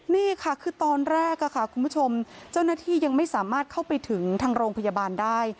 นี่ค่ะคือตอนแรกค่ะคุณผู้ชมเจ้าหน้าที่ยังไม่สามารถเข้าไปถึงทางโรงพยาบาลได้